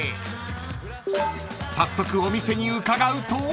［早速お店に伺うと］